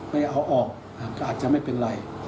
ไม่เอาออกก็อาจจะไม่เป็นไร